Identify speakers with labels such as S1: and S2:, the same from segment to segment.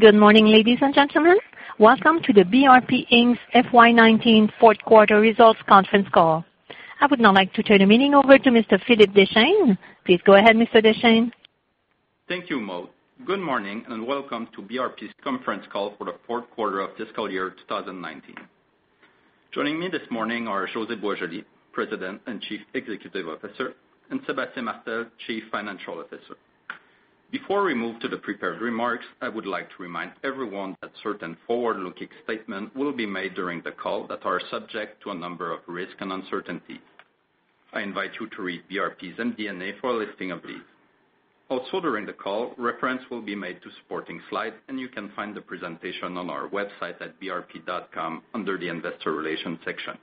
S1: Good morning, ladies and gentlemen. Welcome to the BRP Inc's FY 2019 fourth quarter results conference call. I would now like to turn the meeting over to Mr. Philippe Deschênes. Please go ahead, Mr. Deschênes.
S2: Thank you, Maude. Good morning, and welcome to BRP's conference call for the fourth quarter of fiscal year 2019. Joining me this morning are José Boisjoli, President and Chief Executive Officer, and Sébastien Martel, Chief Financial Officer. Before we move to the prepared remarks, I would like to remind everyone that certain forward-looking statements will be made during the call that are subject to a number of risks and uncertainties. I invite you to read BRP's MD&A for a listing of these. Also, during the call, reference will be made to supporting slides, and you can find the presentation on our website at brp.com under the investor relations section.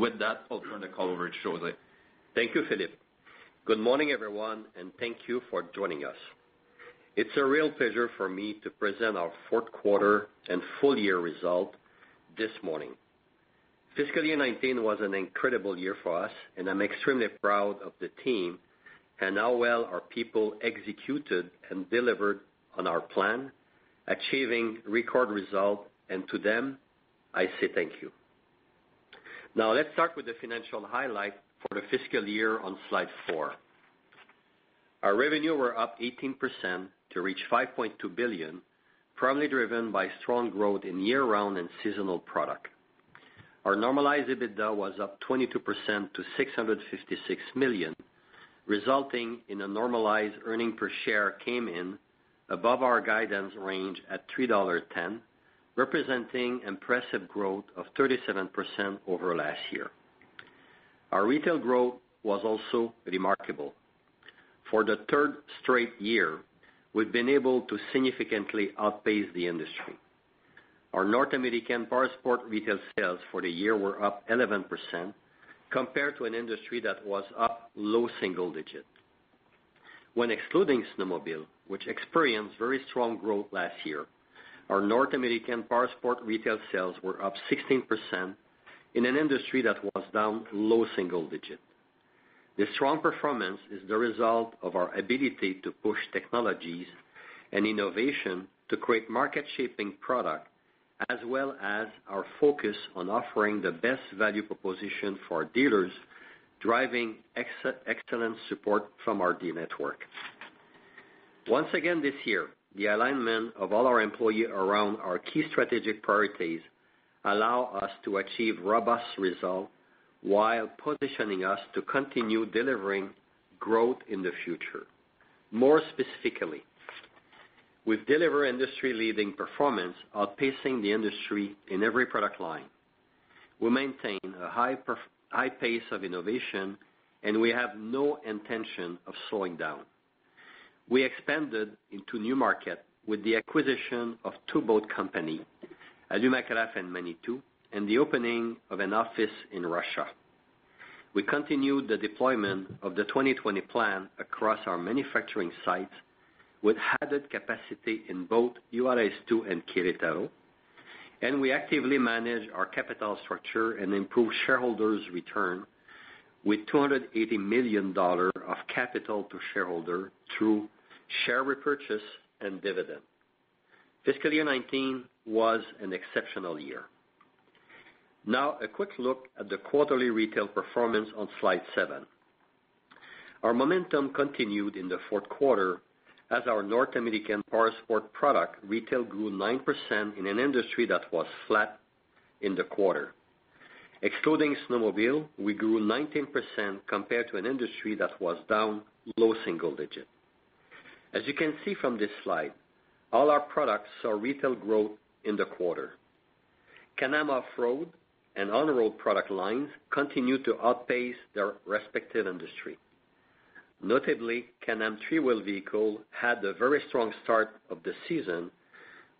S2: With that, I'll turn the call over to José.
S3: Thank you, Philippe. Good morning, everyone, and thank you for joining us. It's a real pleasure for me to present our fourth quarter and full-year results this morning. Fiscal year 2019 was an incredible year for us, and I'm extremely proud of the team and how well our people executed and delivered on our plan, achieving record results, and to them, I say thank you. Now, let's start with the financial highlights for the fiscal year on slide four. Our revenue was up 18% to reach 5.2 billion, primarily driven by strong growth in year-round and seasonal products. Our normalized EBITDA was up 22% to 656 million, resulting in a normalized earning per share came in above our guidance range at 3.10 dollar, representing impressive growth of 37% over last year. Our retail growth was also remarkable. For the third straight year, we've been able to significantly outpace the industry. Our North American Powersports retail sales for the year were up 11% compared to an industry that was up low single digits. When excluding snowmobile, which experienced very strong growth last year, our North American Powersports retail sales were up 16% in an industry that was down low single digits. This strong performance is the result of our ability to push technologies and innovation to create market-shaping product, as well as our focus on offering the best value proposition for our dealers, driving excellent support from our dealer network. Once again this year, the alignment of all our employees around our key strategic priorities allow us to achieve robust results while positioning us to continue delivering growth in the future. More specifically, we've delivered industry-leading performance, outpacing the industry in every product line. We maintain a high pace of innovation, and we have no intention of slowing down. We expanded into new markets with the acquisition of two boat companies, Alumacraft and Manitou, and the opening of an office in Russia. We continued the deployment of the 2020 plan across our manufacturing sites with added capacity in both Valcourt and Querétaro, and we actively manage our capital structure and improve shareholders' return with 280 million dollars of capital to shareholders through share repurchase and dividend. Fiscal year 2019 was an exceptional year. Now, a quick look at the quarterly retail performance on slide seven. Our momentum continued in the fourth quarter as our North American Powersports product retail grew 9% in an industry that was flat in the quarter. Excluding snowmobile, we grew 19% compared to an industry that was down low single digits. As you can see from this slide, all our products saw retail growth in the quarter. Can-Am Off-Road and On-Road product lines continued to outpace their respective industry. Notably, Can-Am three-wheel vehicle had a very strong start of the season,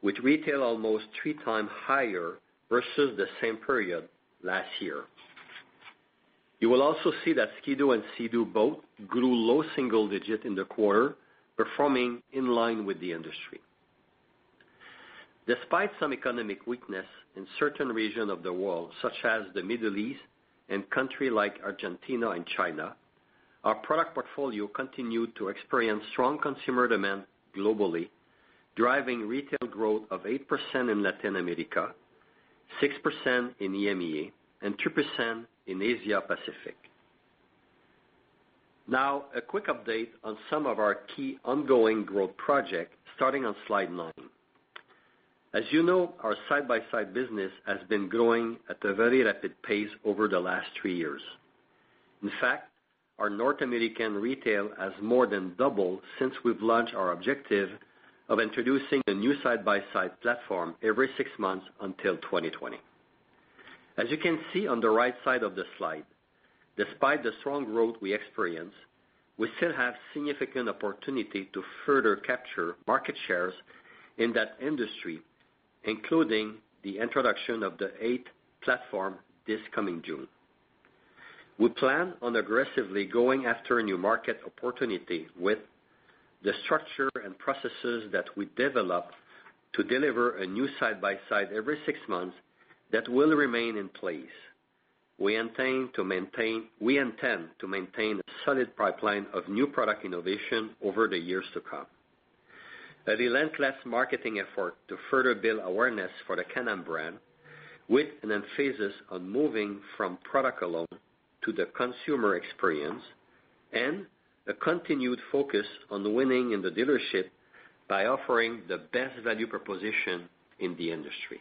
S3: with retail almost three times higher versus the same period last year. You will also see that Ski-Doo and Sea-Doo both grew low single digits in the quarter, performing in line with the industry. Despite some economic weakness in certain regions of the world, such as the Middle East and countries like Argentina and China, our product portfolio continued to experience strong consumer demand globally, driving retail growth of 8% in Latin America, 6% in EMEA, and 2% in Asia Pacific. Now, a quick update on some of our key ongoing growth projects, starting on slide nine. As you know, our side-by-side business has been growing at a very rapid pace over the last three years. In fact, our North American retail has more than doubled since we've launched our objective of introducing a new side-by-side platform every six months until 2020. As you can see on the right side of the slide, despite the strong growth we experienced, we still have significant opportunity to further capture market shares in that industry, including the introduction of the eighth platform this coming June. We plan on aggressively going after new market opportunities with the structure and processes that we developed to deliver a new side-by-side every six months that will remain in place. We intend to maintain a solid pipeline of new product innovation over the years to come. A relentless marketing effort to further build awareness for the Can-Am brand, with an emphasis on moving from product alone to the consumer experience, and a continued focus on winning in the dealership by offering the best value proposition in the industry.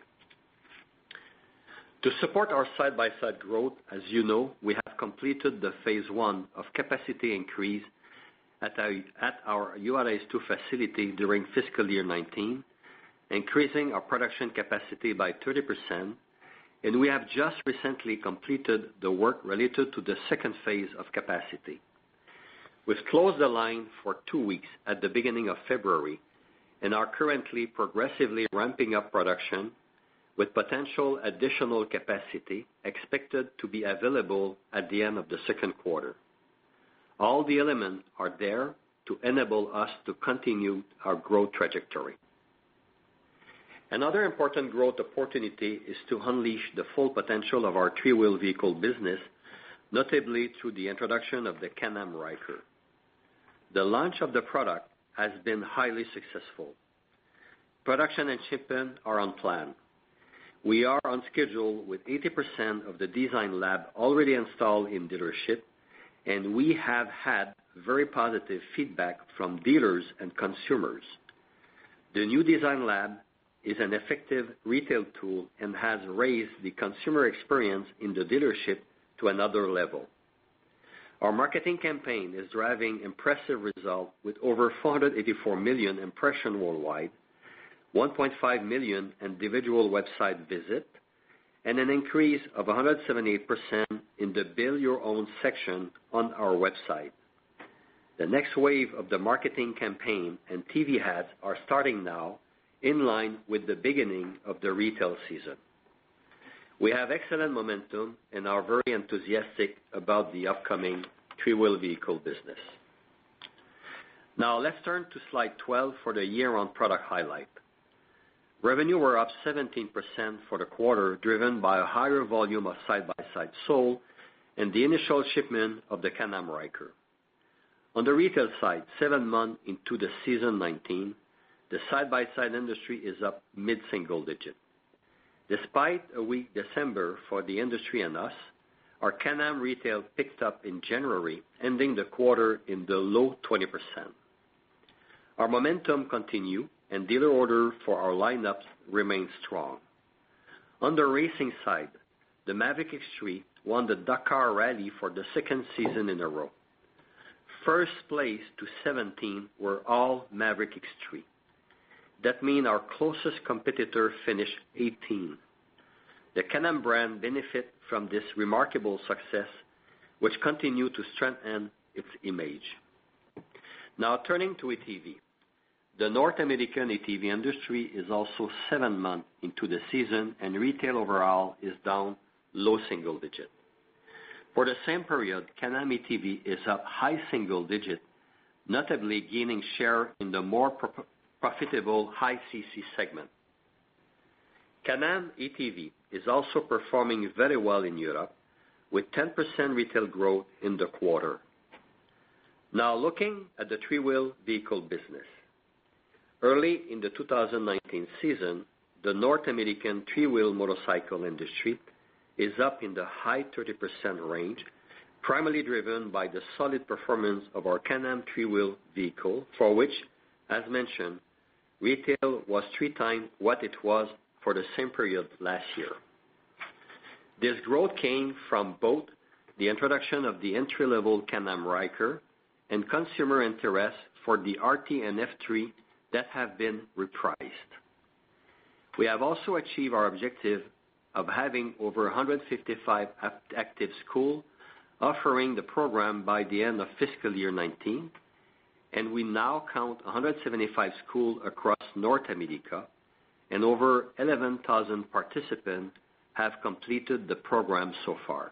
S3: To support our side-by-side growth, as you know, we have completed the Phase 1 of capacity increase at our Juárez 2 facility during fiscal year 2019, increasing our production capacity by 30%, and we have just recently completed the work related to the Phase 2 of capacity. We've closed the line for two weeks at the beginning of February, and are currently progressively ramping up production, with potential additional capacity expected to be available at the end of the second quarter. All the elements are there to enable us to continue our growth trajectory. Another important growth opportunity is to unleash the full potential of our three-wheeled vehicle business, notably through the introduction of the Can-Am Ryker. The launch of the product has been highly successful. Production and shipment are on plan. We are on schedule with 80% of the design lab already installed in dealership, and we have had very positive feedback from dealers and consumers. The new design lab is an effective retail tool and has raised the consumer experience in the dealership to another level. Our marketing campaign is driving impressive results with over 484 million impression worldwide, 1.5 million individual website visit, and an increase of 178% in the Build Your Own section on our website. The next wave of the marketing campaign and TV ads are starting now, in line with the beginning of the retail season. We have excellent momentum and are very enthusiastic about the upcoming three-wheel vehicle business. Now, let's turn to slide 12 for the year-round product highlight. Revenue were up 17% for the quarter, driven by a higher volume of side-by-side sold and the initial shipment of the Can-Am Ryker. On the retail side, seven months into the season 2019, the side-by-side industry is up mid-single digit. Despite a weak December for the industry and us, our Can-Am retail picked up in January, ending the quarter in the low 20%. Our momentum continue and dealer order for our lineups remains strong. On the racing side, the Maverick X3 won the Dakar Rally for the second season in a row. First place to 17 were all Maverick X3. That mean our closest competitor finished 18. The Can-Am brand benefit from this remarkable success, which continue to strengthen its image. Now turning to ATV. The North American ATV industry is also seven months into the season, and retail overall is down low single digit. For the same period, Can-Am ATV is up high single digit, notably gaining share in the more profitable high CC segment. Can-Am ATV is also performing very well in Europe, with 10% retail growth in the quarter. Now looking at the three-wheel vehicle business. Early in the 2019 season, the North American three-wheel motorcycle industry is up in the high 30% range, primarily driven by the solid performance of our Can-Am three-wheel vehicle, for which, as mentioned, retail was three times what it was for the same period last year. This growth came from both the introduction of the entry-level Can-Am Ryker and consumer interest for the RT and F3 that have been repriced. We have also achieved our objective of having over 155 active school offering the program by the end of fiscal year 2019, and we now count 175 school across North America and over 11,000 participants have completed the program so far.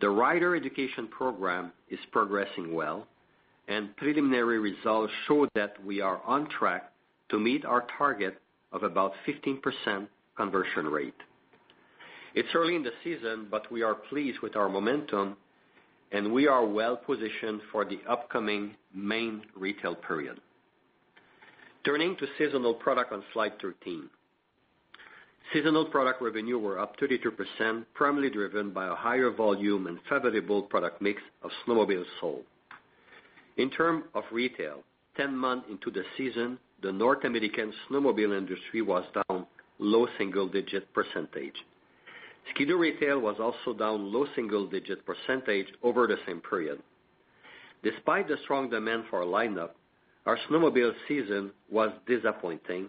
S3: The Ryker Education Program is progressing well, and preliminary results show that we are on track to meet our target of about 15% conversion rate. It's early in the season, but we are pleased with our momentum, and we are well-positioned for the upcoming main retail period. Turning to seasonal product on slide 13. Seasonal product revenue were up 32%, primarily driven by a higher volume and favorable product mix of snowmobile sold. In term of retail, 10 months into the season, the North American snowmobile industry was down low single-digit percentage. Ski-Doo retail was also down low single-digit percentage over the same period. Despite the strong demand for our lineup, our snowmobile season was disappointing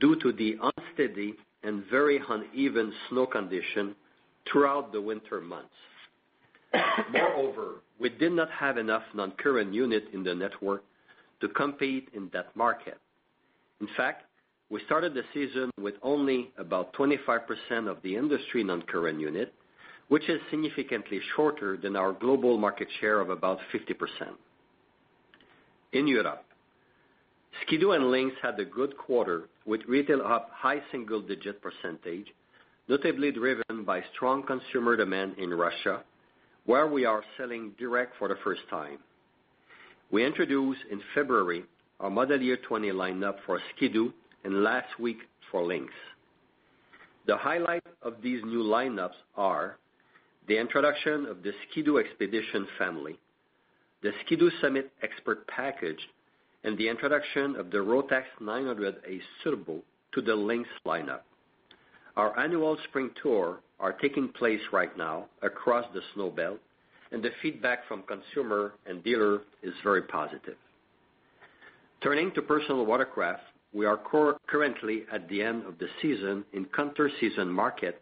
S3: due to the unsteady and very uneven snow condition throughout the winter months. Moreover, we did not have enough non-current unit in the network to compete in that market. In fact, we started the season with only about 25% of the industry non-current unit, which is significantly shorter than our global market share of about 50%. In Europe, Ski-Doo and Lynx had a good quarter with retail up high single-digit percentage, notably driven by strong consumer demand in Russia, where we are selling direct for the first time. We introduced in February our model year 2020 lineup for Ski-Doo and last week for Lynx. The highlight of these new lineups are the introduction of the Ski-Doo Expedition family, the Ski-Doo Summit Expert Package, and the introduction of the Rotax 900 ACE suitable to the Lynx lineup. Our annual spring tour are taking place right now across the snow belt and the feedback from consumer and dealer is very positive. Turning to personal watercraft, we are currently at the end of the season in counter-season market,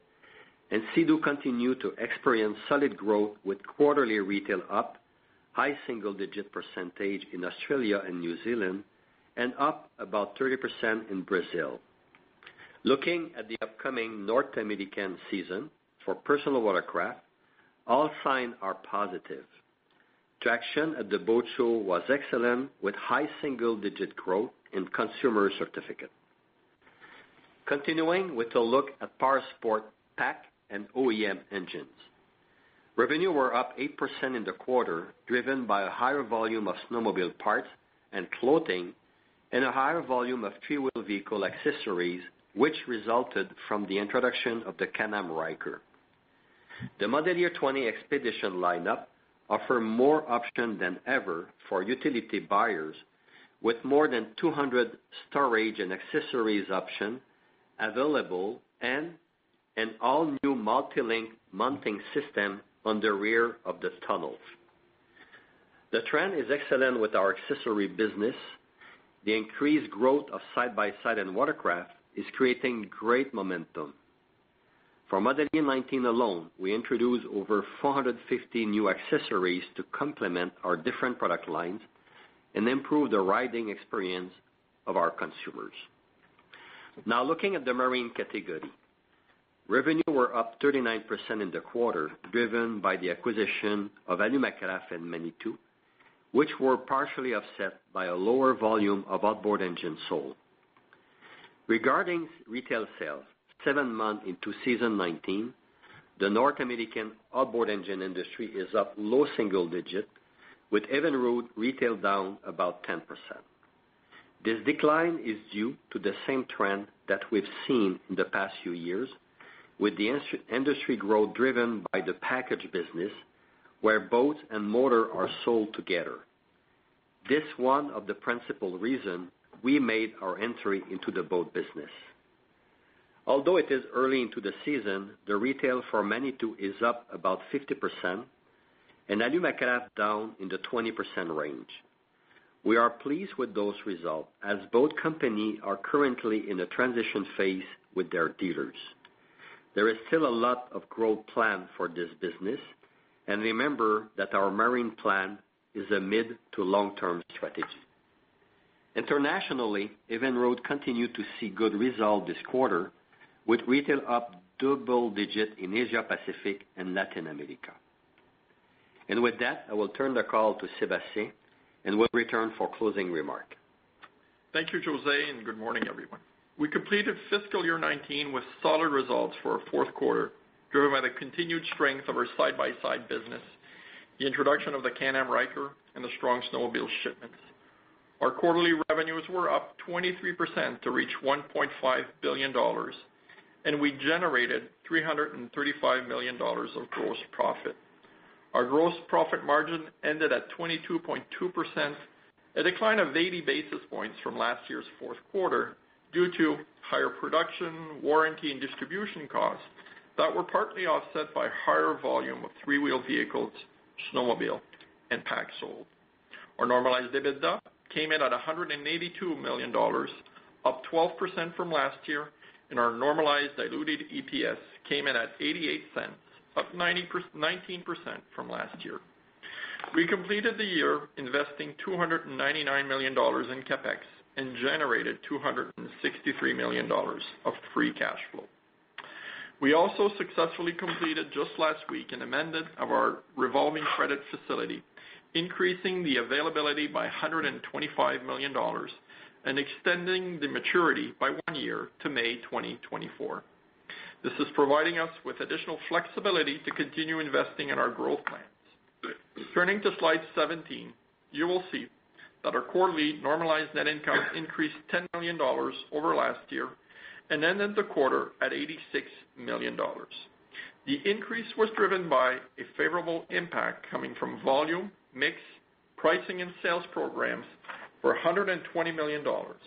S3: and Sea-Doo continue to experience solid growth with quarterly retail up high single-digit percentage in Australia and New Zealand, and up about 30% in Brazil. Looking at the upcoming North American season for personal watercraft, all signs are positive. Traction at the boat show was excellent with high single-digit growth in consumer confidence. Continuing with a look at Powersports PAC and OEM engines. Revenue were up 8% in the quarter, driven by a higher volume of snowmobile parts and clothing and a higher volume of three-wheel vehicle accessories, which resulted from the introduction of the Can-Am Ryker. The model year 2020 Expedition lineup offer more option than ever for utility buyers with more than 200 storage and accessories option available and an all-new multi-link mounting system on the rear of the tunnels. The trend is excellent with our accessory business. The increased growth of side-by-side and watercraft is creating great momentum. For model year 2019 alone, we introduced over 450 new accessories to complement our different product lines and improve the riding experience of our consumers. Now looking at the marine category. Revenue were up 39% in the quarter, driven by the acquisition of Alumacraft and Manitou, which were partially offset by a lower volume of outboard engines sold. Regarding retail sales, 7 months into season 2019, the North American outboard engine industry is up low single-digit with Evinrude retail down about 10%. This decline is due to the same trend that we've seen in the past few years with the industry growth driven by the package business where boats and motor are sold together. This is one of the principal reason we made our entry into the boat business. Although it is early into the season, the retail for Manitou is up about 50% and Alumacraft down in the 20% range. We are pleased with those results as both company are currently in a transition phase with their dealers. There is still a lot of growth planned for this business. Remember that our marine plan is a mid- to long-term strategy. Internationally, Evinrude continued to see good results this quarter with retail up double-digit in Asia Pacific and Latin America. With that, I will turn the call to Sébastien and will return for closing remark.
S4: Thank you, José, and good morning, everyone. We completed fiscal year 2019 with solid results for our fourth quarter, driven by the continued strength of our side-by-side business, the introduction of the Can-Am Ryker, and the strong snowmobile shipments. Our quarterly revenues were up 23% to reach 1.5 billion dollars, and we generated 335 million dollars of gross profit. Our gross profit margin ended at 22.2%, a decline of 80 basis points from last year's fourth quarter due to higher production, warranty, and distribution costs that were partly offset by higher volume of three-wheel vehicles, snowmobile, and PAC sold. Our normalized EBITDA came in at 182 million dollars, up 12% from last year, and our normalized diluted EPS came in at 0.88, up 19% from last year. We completed the year investing 299 million dollars in CapEx and generated 263 million dollars of free cash flow. We also successfully completed just last week an amendment of our revolving credit facility, increasing the availability by 125 million dollars and extending the maturity by one year to May 2024. This is providing us with additional flexibility to continue investing in our growth plans. Turning to slide 17, you will see that our quarterly normalized net income increased 10 million dollars over last year and ended the quarter at 86 million dollars. The increase was driven by a favorable impact coming from volume, mix, pricing and sales programs for 120 million dollars,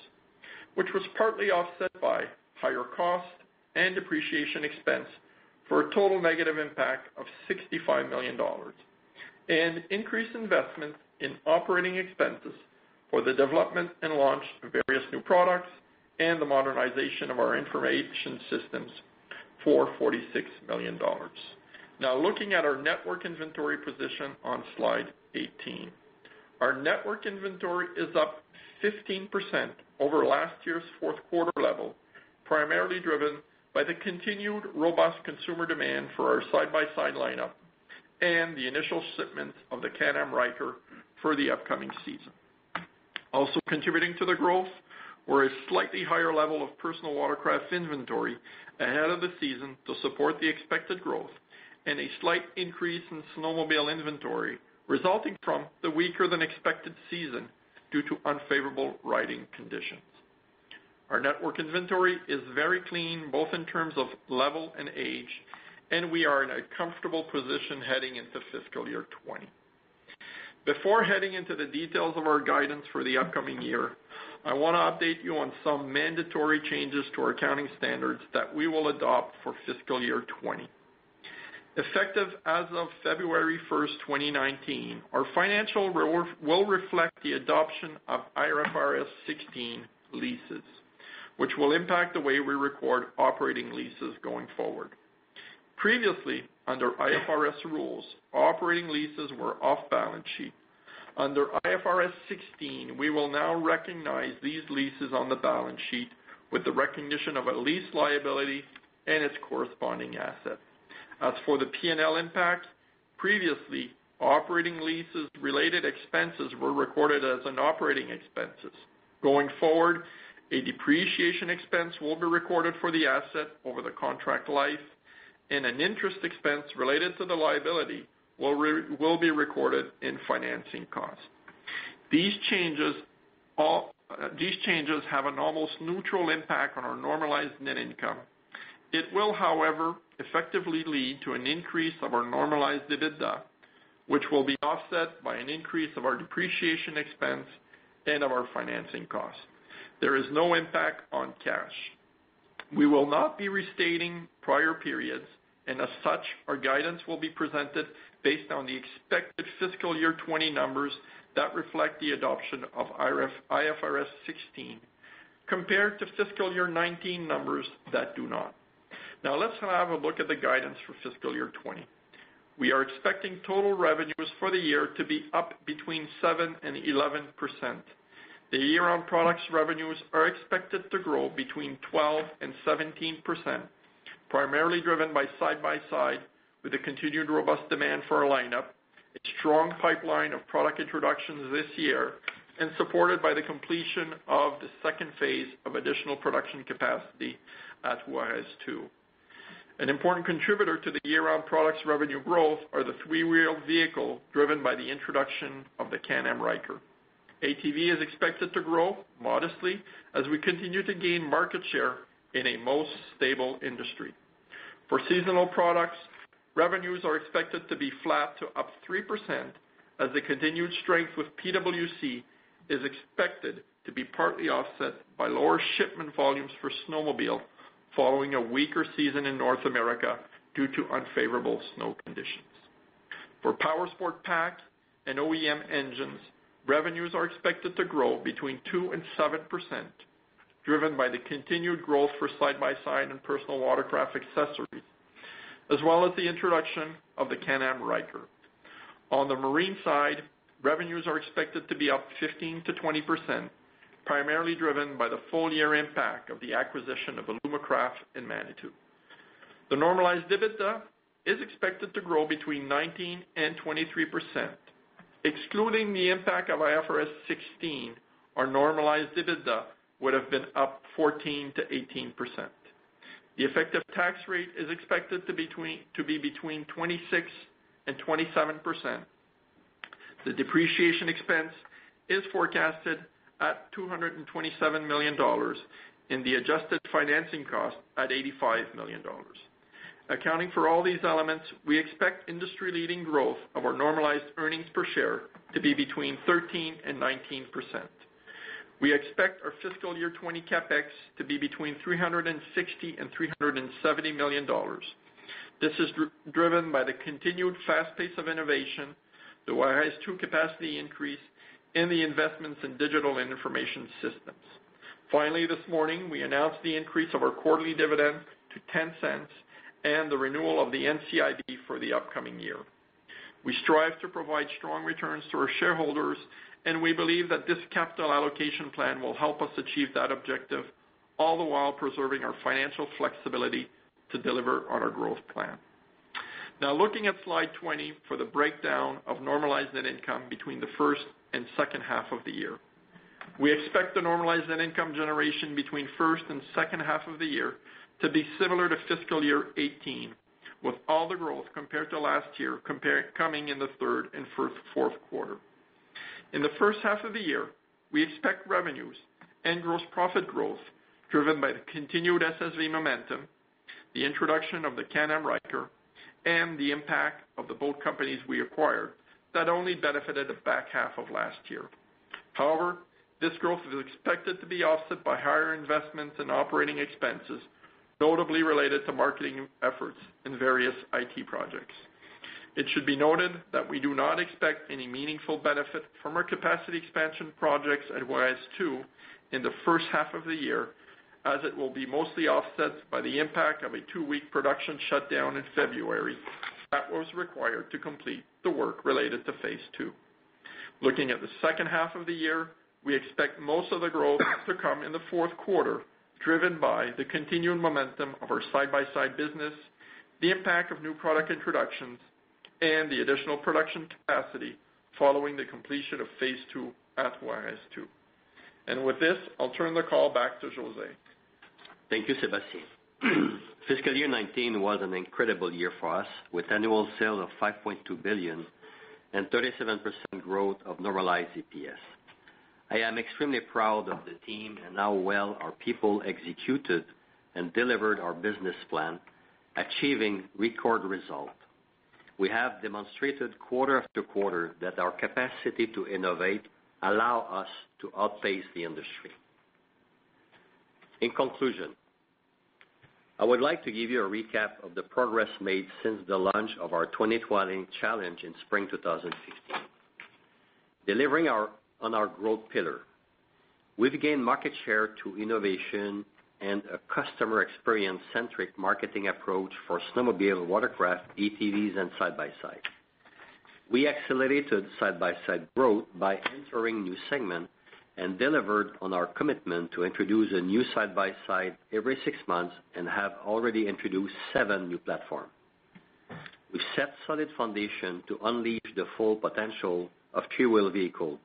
S4: which was partly offset by higher cost and depreciation expense for a total negative impact of 65 million dollars and increased investments in operating expenses for the development and launch of various new products and the modernization of our information systems for 46 million dollars. Now looking at our network inventory position on slide 18. Our network inventory is up 15% over last year's fourth quarter level, primarily driven by the continued robust consumer demand for our side-by-side lineup and the initial shipment of the Can-Am Ryker for the upcoming season. Also contributing to the growth were a slightly higher level of personal watercraft inventory ahead of the season to support the expected growth and a slight increase in snowmobile inventory resulting from the weaker than expected season due to unfavorable riding conditions. Our network inventory is very clean, both in terms of level and age, and we are in a comfortable position heading into fiscal year 2020. Before heading into the details of our guidance for the upcoming year, I want to update you on some mandatory changes to our accounting standards that we will adopt for fiscal year 2020. Effective as of February 1, 2019, our financial role will reflect the adoption of IFRS 16 leases, which will impact the way we record operating leases going forward. Previously, under IFRS rules, operating leases were off balance sheet. Under IFRS 16, we will now recognize these leases on the balance sheet with the recognition of a lease liability and its corresponding asset. As for the P&L impact, previously, operating leases related expenses were recorded as an operating expenses. Going forward, a depreciation expense will be recorded for the asset over the contract life and an interest expense related to the liability will be recorded in financing cost. These changes have an almost neutral impact on our normalized net income. It will, however, effectively lead to an increase of our normalized EBITDA, which will be offset by an increase of our depreciation expense and of our financing cost. There is no impact on cash. We will not be restating prior periods, as such, our guidance will be presented based on the expected fiscal year 2020 numbers that reflect the adoption of IFRS 16 compared to fiscal year 2019 numbers that do not. Let's have a look at the guidance for fiscal year 2020. We are expecting total revenues for the year to be up between 7% and 11%. The year-round-products revenues are expected to grow between 12% and 17%, primarily driven by side-by-side with the continued robust demand for our lineup, a strong pipeline of product introductions this year, and supported by the completion of the second phase of additional production capacity at Juárez 2. An important contributor to the year-round products revenue growth are the three-wheeled vehicle driven by the introduction of the Can-Am Ryker. ATV is expected to grow modestly as we continue to gain market share in a most stable industry. For seasonal products, revenues are expected to be flat to up 3% as the continued strength with PWC is expected to be partly offset by lower shipment volumes for snowmobile following a weaker season in North America due to unfavorable snow conditions. For Powersports PAC and OEM engines, revenues are expected to grow between 2%-7%, driven by the continued growth for side-by-side and personal watercraft accessories, as well as the introduction of the Can-Am Ryker. On the marine side, revenues are expected to be up 15%-20%, primarily driven by the full year impact of the acquisition of Alumacraft in Manitou. The normalized EBITDA is expected to grow between 19%-23%, excluding the impact of IFRS 16, our normalized EBITDA would have been up 14%-18%. The effective tax rate is expected to be between 26% and 27%. The depreciation expense is forecasted at 227 million dollars and the adjusted financing cost at 85 million dollars. Accounting for all these elements, we expect industry leading growth of our normalized earnings per share to be between 13% and 19%. We expect our fiscal year 2020 CapEx to be between 360 million-370 million dollars. This is driven by the continued fast pace of innovation, the Juárez 2 capacity increase in the investments in digital and information systems. Finally, this morning, we announced the increase of our quarterly dividend to 0.10 and the renewal of the NCIB for the upcoming year. We strive to provide strong returns to our shareholders, we believe that this capital allocation plan will help us achieve that objective, all the while preserving our financial flexibility to deliver on our growth plan. Looking at slide 20 for the breakdown of normalized net income between the first and second half of the year. We expect the normalized net income generation between first and second half of the year to be similar to fiscal year 2018, with all the growth compared to last year coming in the third and fourth quarter. In the first half of the year, we expect revenues and gross profit growth driven by the continued SSV momentum, the introduction of the Can-Am Ryker, and the impact of the boat companies we acquired that only benefited the back half of last year. This growth is expected to be offset by higher investments and operating expenses, notably related to marketing efforts in various IT projects. It should be noted that we do not expect any meaningful benefit from our capacity expansion projects at Juárez 2 in the first half of the year, as it will be mostly offset by the impact of a two-week production shutdown in February that was required to complete the work related to Phase 2. Looking at the second half of the year, we expect most of the growth to come in the fourth quarter, driven by the continuing momentum of our side-by-side business, the impact of new product introductions, and the additional production capacity following the completion of Phase 2 at Juárez 2. With this, I'll turn the call back to José.
S3: Thank you, Sébastien. Fiscal year 2019 was an incredible year for us with annual sales of 5.2 billion and 37% growth of normalized EPS. I am extremely proud of the team and how well our people executed and delivered our business plan, achieving record results. We have demonstrated quarter after quarter that our capacity to innovate allow us to outpace the industry. In conclusion, I would like to give you a recap of the progress made since the launch of our 2020 challenge in spring 2015. Delivering on our growth pillar, we've gained market share through innovation and a customer experience centric marketing approach for snowmobile, watercraft, ATVs, and side-by-sides. We accelerated side-by-side growth by entering new segments and delivered on our commitment to introduce a new side-by-side every six months and have already introduced seven new platforms. We set solid foundation to unleash the full potential of three-wheeled vehicles.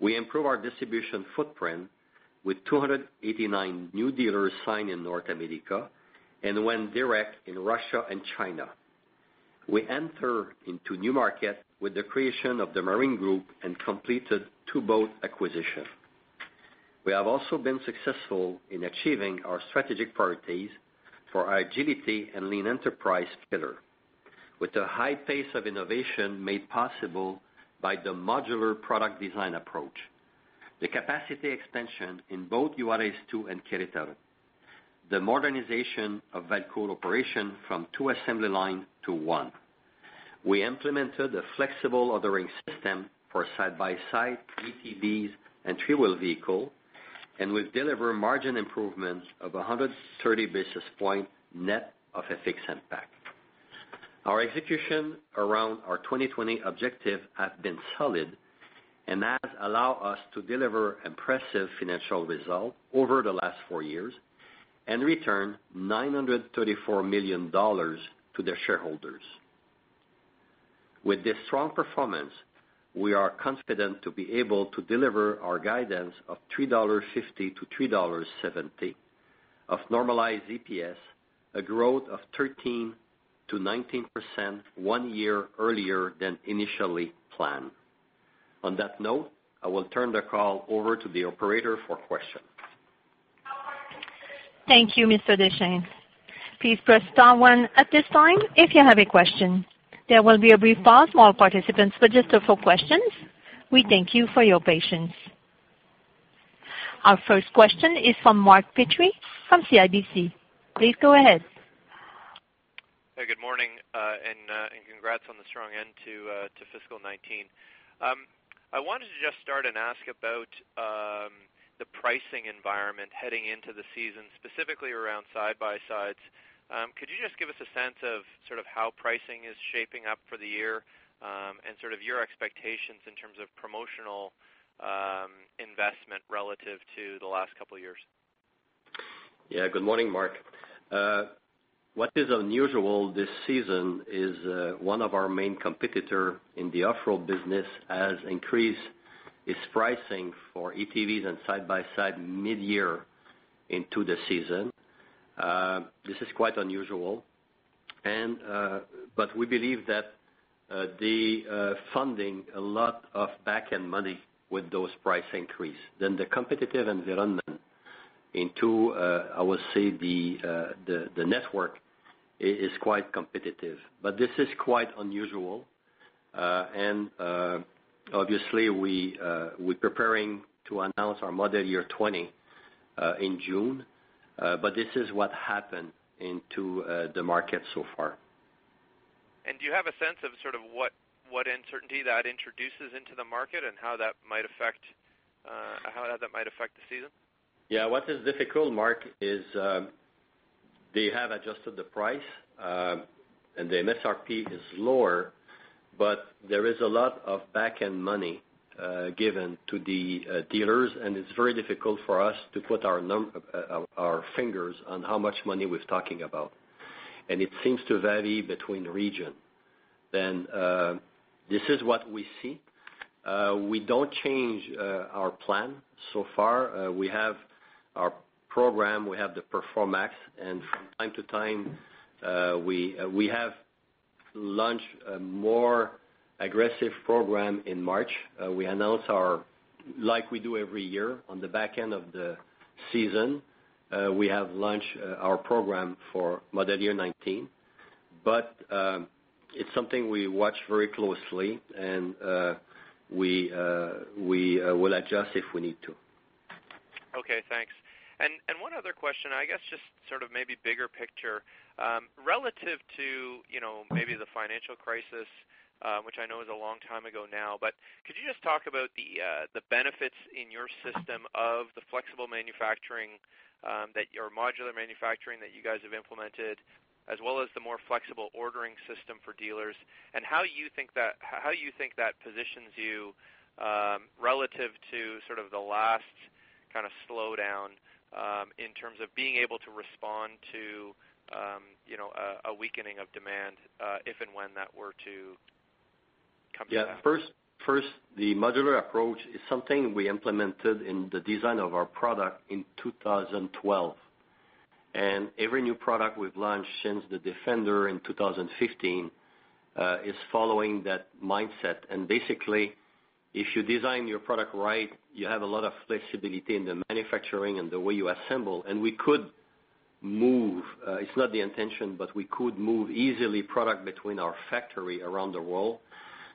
S3: We improved our distribution footprint with 289 new dealers signed in North America and went direct in Russia and China. We entered into new markets with the creation of the Marine Group and completed two boat acquisitions. We have also been successful in achieving our strategic priorities for our agility and lean enterprise pillar with a high pace of innovation made possible by the modular product design approach, the capacity expansion in both Juárez 2 and Querétaro, the modernization of Valcourt operation from two assembly lines to one. We implemented a flexible ordering system for side-by-side, ATVs, and three-wheeled vehicles, and we've delivered margin improvements of 130 basis points net of a fixed impact. Our execution around our 2020 objective has been solid and has allowed us to deliver impressive financial results over the last four years and return 934 million dollars to the shareholders. With this strong performance, we are confident to be able to deliver our guidance of 3.50 dollars to 3.70 dollars of normalized EPS, a growth of 13%-19%, one year earlier than initially planned. On that note, I will turn the call over to the operator for questions.
S1: Thank you, Mr. Deschênes. Please press star one at this time if you have a question. There will be a brief pause while participants register for questions. We thank you for your patience. Our first question is from Mark Petrie from CIBC. Please go ahead.
S5: Hey, good morning, and congrats on the strong end to fiscal 2019. I wanted to just start and ask about the pricing environment heading into the season, specifically around side-by-sides. Could you just give us a sense of how pricing is shaping up for the year and your expectations in terms of promotional investment relative to the last couple of years?
S3: Good morning, Mark. What is unusual this season is one of our main competitor in the off-road business has increased its pricing for ATVs and side-by-sides mid-year into the season. This is quite unusual, but we believe that the funding a lot of back-end money with those price increase, then the competitive environment into, I would say, the network is quite competitive. This is quite unusual. Obviously, we're preparing to announce our model year 2020 in June. This is what happened into the market so far.
S5: Do you have a sense of what uncertainty that introduces into the market and how that might affect the season?
S3: Yeah. What is difficult, Mark Petrie, is they have adjusted the price, and the MSRP is lower, but there is a lot of back-end money given to the dealers, and it is very difficult for us to put our fingers on how much money we are talking about. It seems to vary between region. This is what we see. We do not change our plan so far. We have our program. We have the Performax, and from time to time, we have launched a more aggressive program in March. Like we do every year on the back end of the season, we have launched our program for model year 2019. It is something we watch very closely, and we will adjust if we need to.
S5: Okay, thanks. One other question, I guess, just maybe bigger picture. Relative to maybe the financial crisis, which I know is a long time ago now, could you just talk about the benefits in your system of the flexible manufacturing, or modular manufacturing that you guys have implemented, as well as the more flexible ordering system for dealers, and how you think that positions you, relative to the last kind of slowdown, in terms of being able to respond to a weakening of demand, if and when that were to come back?
S3: Yeah. First, the modular approach is something we implemented in the design of our product in 2012. Every new product we have launched since the Defender in 2015, is following that mindset. Basically, if you design your product right, you have a lot of flexibility in the manufacturing and the way you assemble. We could move, it is not the intention, but we could move easily product between our factory around the world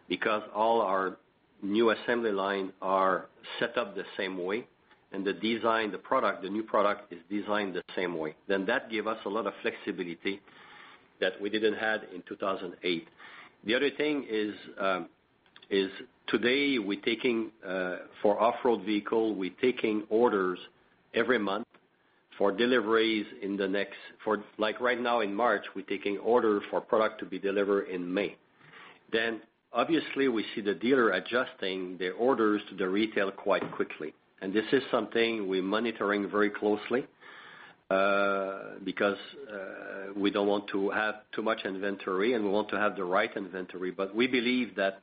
S3: because all our new assembly line are set up the same way, and the design, the product, the new product is designed the same way. That give us a lot of flexibility that we did not have in 2008. The other thing is, today we are taking, for off-road vehicle, we are taking orders every month for deliveries in the next Like right now in March, we are taking orders for product to be delivered in May. Obviously we see the dealer adjusting their orders to the retail quite quickly, and this is something we are monitoring very closely, because we do not want to have too much inventory, and we want to have the right inventory. We believe that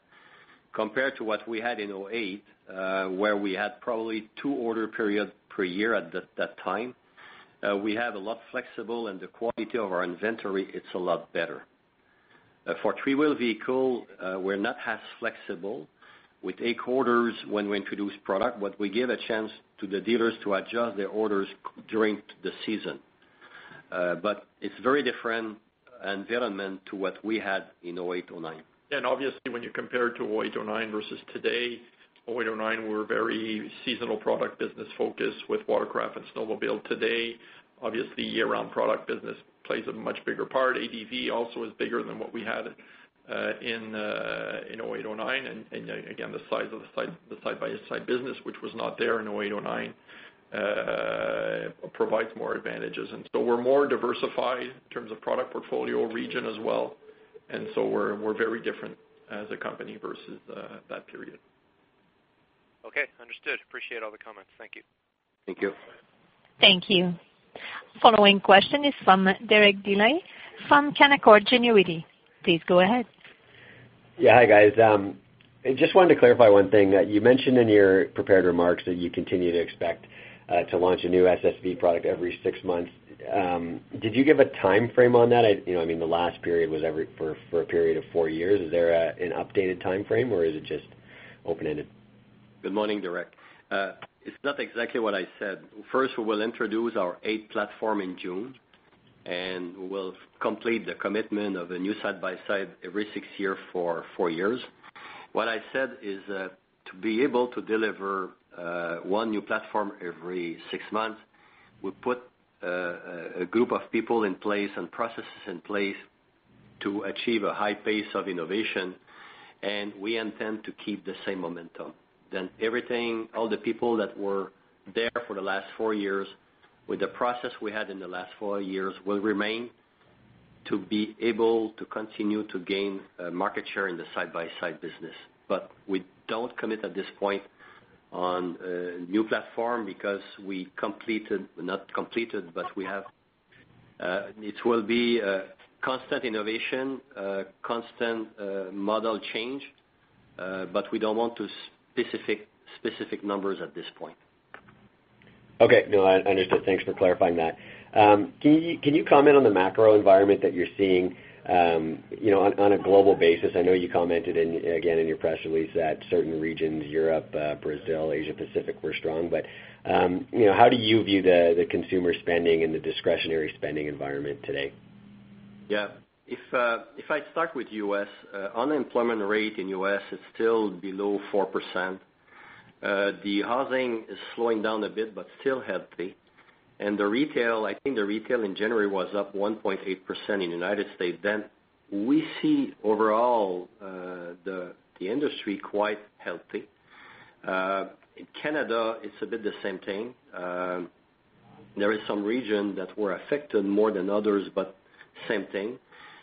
S3: compared to what we had in 2008, where we had probably two order periods per year at that time, we have a lot flexible and the quality of our inventory, it is a lot better. For three-wheel vehicle, we are not as flexible with eight quarters when we introduce product, but we give a chance to the dealers to adjust their orders during the season. It is very different environment to what we had in 2008, 2009.
S4: Obviously when you compare it to 2008, 2009 versus today, 2008, 2009, we were very seasonal product business focused with watercraft and snowmobile. Today, obviously year-round product business plays a much bigger part. ATV also is bigger than what we had, in 2008, 2009. Again, the size of the side-by-side business, which was not there in 2008, 2009, provides more advantages. We're more diversified in terms of product portfolio, region as well. We're very different as a company versus that period.
S5: Okay, understood. Appreciate all the comments. Thank you.
S3: Thank you.
S1: Thank you. Following question is from Derek Dley from Canaccord Genuity. Please go ahead.
S6: Yeah. Hi guys. I just wanted to clarify one thing. You mentioned in your prepared remarks that you continue to expect to launch a new SSV product every six months. Did you give a timeframe on that? I mean, the last period was for a period of four years. Is there an updated timeframe or is it just open-ended?
S3: Good morning, Derek. It's not exactly what I said. We will introduce our eighth platform in June, and we will complete the commitment of a new side-by-side every six months for four years. What I said is, to be able to deliver one new platform every six months, we put a group of people in place and processes in place to achieve a high pace of innovation, and we intend to keep the same momentum. Everything, all the people that were there for the last four years with the process we had in the last four years will remain to be able to continue to gain market share in the side-by-side business. We don't commit at this point on a new platform because we completed. Not completed, but we have. It will be constant innovation, constant model change, we don't want to specific numbers at this point.
S6: Okay. No, understood. Thanks for clarifying that. Can you comment on the macro environment that you're seeing, on a global basis? I know you commented again in your press release that certain regions, Europe, Brazil, Asia Pacific, were strong. How do you view the consumer spending and the discretionary spending environment today?
S3: Yeah. If I start with U.S., unemployment rate in U.S. is still below 4%. The housing is slowing down a bit, but still healthy. And the retail, I think the retail in January was up 1.8% in the United States then. We see overall, the industry quite healthy. In Canada, it's a bit the same thing. There is some region that were affected more than others, but same thing.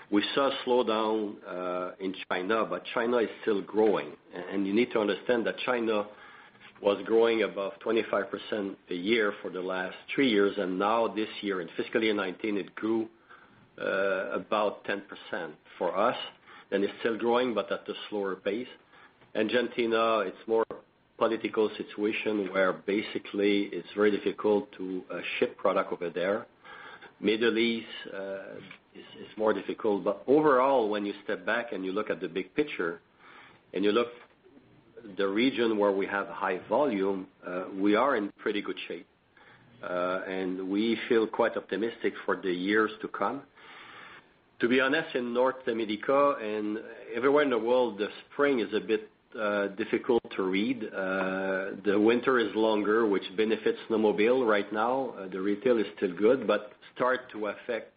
S3: We saw a slowdown in China, but China is still growing. And you need to understand that China was growing above 25% a year for the last three years, and now this year in fiscal year 2019, it grew about 10% for us, and it's still growing, but at a slower pace. Argentina, it's more political situation where basically it's very difficult to ship product over there. Middle East is more difficult. Overall, when you step back and you look at the big picture and you look the region where we have high volume, we are in pretty good shape. And we feel quite optimistic for the years to come. To be honest, in North America and everywhere in the world, the spring is a bit difficult to read. The winter is longer, which benefits snowmobile right now. The retail is still good, but start to affect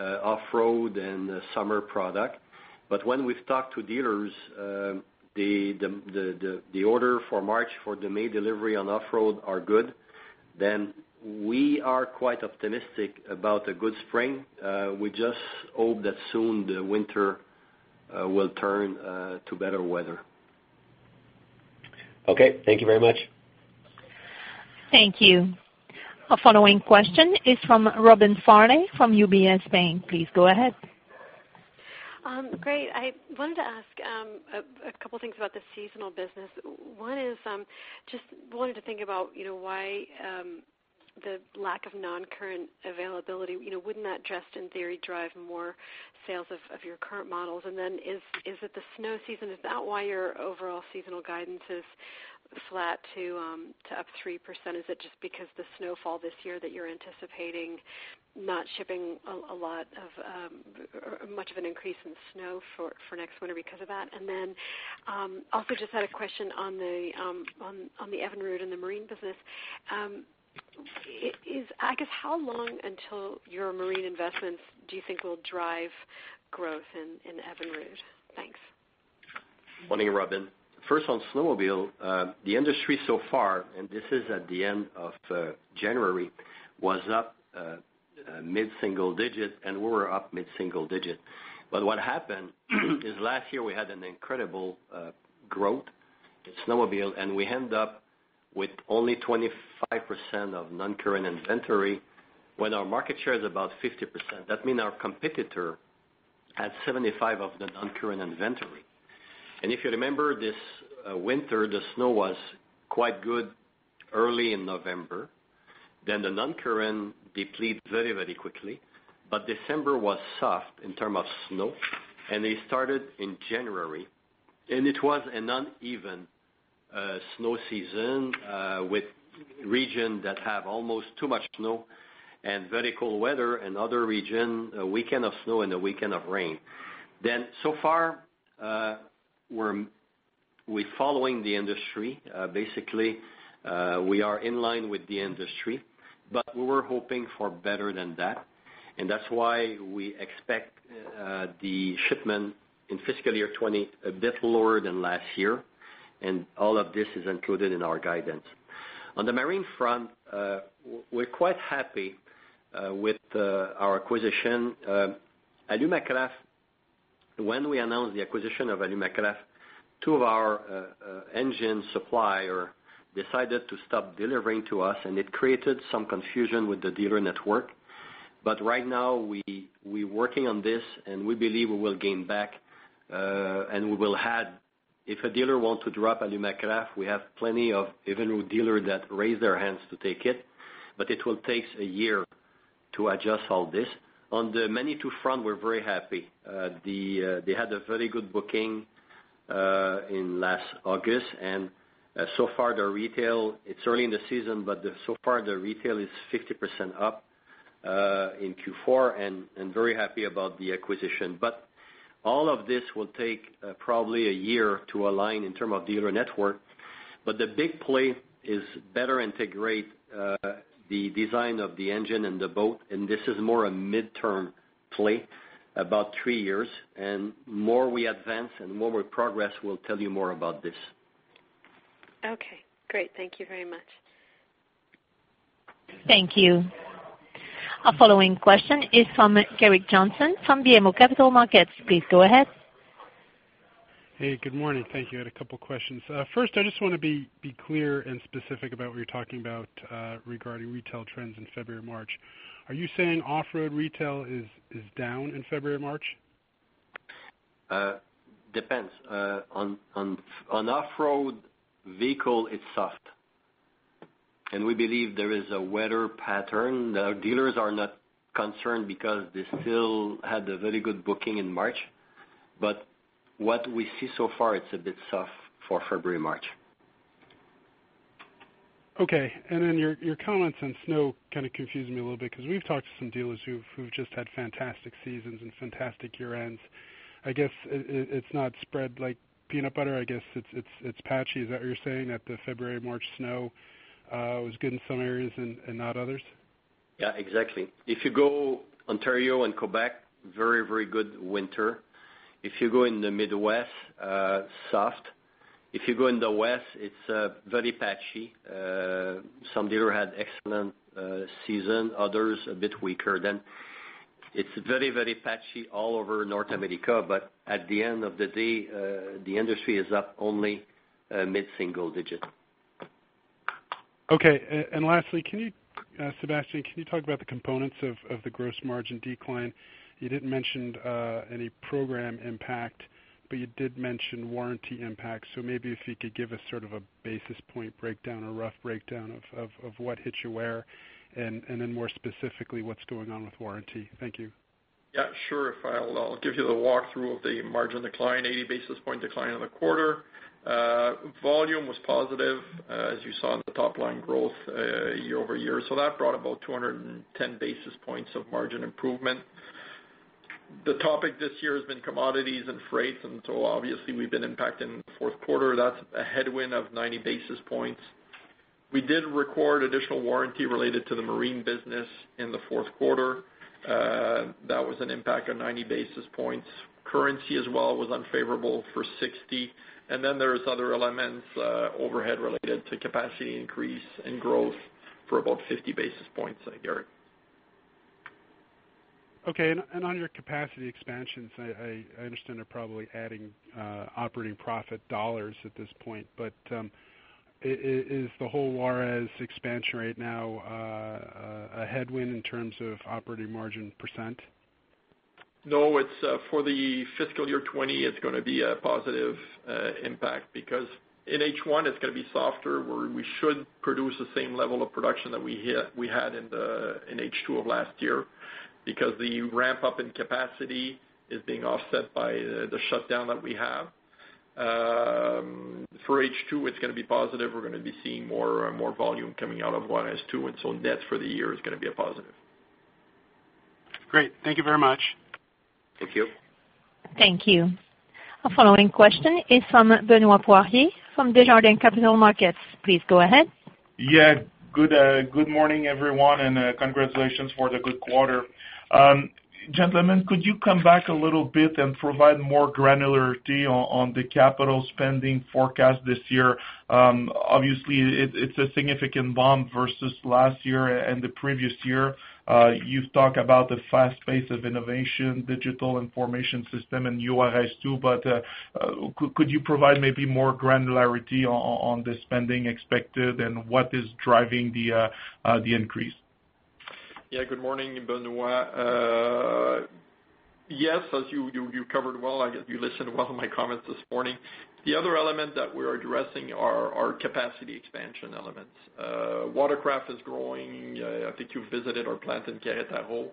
S3: off-road and summer product. When we've talked to dealers, the order for March for the May delivery on off-road are good. We are quite optimistic about a good spring. We just hope that soon the winter will turn to better weather.
S6: Okay. Thank you very much.
S1: Thank you. Our following question is from Robin Farley from UBS. Please go ahead.
S7: Great. I wanted to ask a couple things about the seasonal business. One is, just wanted to think about why the lack of non-current availability. Wouldn't that just in theory, drive more sales of your current models? Is it the snow season? Is that why your overall seasonal guidance is flat to up 3%? Is it just because the snowfall this year that you're anticipating not shipping a lot of, or much of an increase in snow for next winter because of that? Also just had a question on the Evinrude and the marine business. I guess how long until your marine investments do you think will drive growth in Evinrude? Thanks.
S3: Morning, Robin. First on snowmobile, the industry so far, and this is at the end of January, was up mid-single digit, and we were up mid-single digit. What happened is last year we had an incredible growth in snowmobile, and we end up with only 25% of non-current inventory when our market share is about 50%. That mean our competitor had 75 of the non-current inventory. If you remember this winter, the snow was quite good early in November, then the non-current deplete very quickly, but December was soft in term of snow, and they started in January. It was an uneven snow season with region that have almost too much snow and very cold weather. In other region, a weekend of snow and a weekend of rain. So far, we're following the industry. Basically, we are in line with the industry, but we were hoping for better than that. That's why we expect the shipment in fiscal year 2020 a bit lower than last year, and all of this is included in our guidance. On the marine front, we're quite happy with our acquisition. Alumacraft, when we announced the acquisition of Alumacraft, two of our engine supplier decided to stop delivering to us, and it created some confusion with the dealer network. Right now we're working on this, and we believe we will gain back, and we will have, if a dealer want to drop Alumacraft, we have plenty of Evinrude dealer that raise their hands to take it, but it will takes a year to adjust all this. On the Manitou front, we're very happy. They had a very good booking in last August, and so far their retail, it's early in the season, but so far their retail is 50% up in Q4 and very happy about the acquisition. All of this will take probably a year to align in term of dealer network. The big play is better integrate the design of the engine and the boat, and this is more a midterm play, about three years. More we advance and more we progress, we'll tell you more about this.
S7: Okay, great. Thank you very much.
S1: Thank you. Our following question is from Gerrick Johnson from BMO Capital Markets. Please go ahead.
S8: Hey, good morning. Thank you. I had a couple questions. First, I just want to be clear and specific about what you're talking about, regarding retail trends in February, March. Are you saying off-road retail is down in February, March?
S3: Depends. On off-road vehicle, it's soft. We believe there is a weather pattern. Our dealers are not concerned because they still had a very good booking in March. What we see so far, it's a bit soft for February, March.
S8: Okay. Your comments on snow kind of confused me a little bit because we've talked to some dealers who've just had fantastic seasons and fantastic year-ends. I guess it's not spread like peanut butter. I guess it's patchy. Is that what you're saying? That the February, March snow, was good in some areas and not others?
S3: Yeah, exactly. If you go Ontario and Quebec, very good winter. If you go in the Midwest, soft. If you go in the West, it's very patchy. Some dealer had excellent season, others a bit weaker. It's very patchy all over North America. At the end of the day, the industry is up only mid-single digit.
S8: Okay. Lastly, Sébastien, can you talk about the components of the gross margin decline? You didn't mention any program impact, but you did mention warranty impact. Maybe if you could give us sort of a basis point breakdown or rough breakdown of what hit you where, then more specifically, what's going on with warranty. Thank you.
S4: Yeah, sure. I'll give you the walkthrough of the margin decline, 80 basis point decline in the quarter. Volume was positive, as you saw in the top line growth, year-over-year. That brought about 210 basis points of margin improvement. The topic this year has been commodities and freight. Obviously, we've been impacted in the fourth quarter. That's a headwind of 90 basis points. We did record additional warranty related to the marine business in the fourth quarter. That was an impact of 90 basis points. Currency as well was unfavorable for 60 basis points. There's other elements, overhead related to capacity increase and growth for about 50 basis points, I hear.
S8: Okay. On your capacity expansions, I understand they're probably adding operating profit dollars at this point, but is the whole Juárez expansion right now a headwind in terms of operating margin percent?
S4: No, for the fiscal year 2020, it's going to be a positive impact because in H1 it's going to be softer, where we should produce the same level of production that we had in H2 of last year because the ramp-up in capacity is being offset by the shutdown that we have. For H2, it's going to be positive. We're going to be seeing more volume coming out of Juárez 2. Net for the year is going to be a positive.
S8: Great. Thank you very much.
S3: Thank you.
S1: Thank you. Our following question is from Benoit Poirier from Desjardins Capital Markets. Please go ahead.
S9: Good morning, everyone, and congratulations for the good quarter. Gentlemen, could you come back a little bit and provide more granularity on the capital spending forecast this year? Obviously, it's a significant bump versus last year and the previous year. You've talked about the fast pace of innovation, digital information system and Juárez 2, could you provide maybe more granularity on the spending expected and what is driving the increase?
S4: Good morning, Benoit. As you covered well, I guess you listened well to my comments this morning. The other element that we're addressing are capacity expansion elements. Watercraft is growing. I think you visited our plant in Querétaro.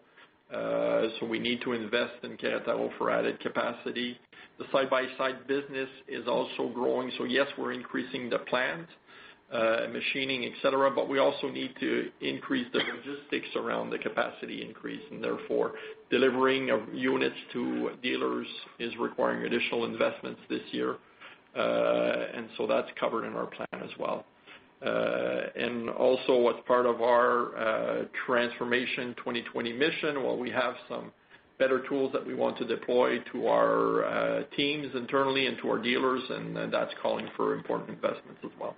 S4: We need to invest in Querétaro for added capacity. The side-by-side business is also growing. Yes, we're increasing the plant, machining, et cetera, we also need to increase the logistics around the capacity increase, and therefore delivering of units to dealers is requiring additional investments this year. That's covered in our plan as well. What's part of our Transformation 2020 Mission, while we have some better tools that we want to deploy to our teams internally and to our dealers and that's calling for important investments as well.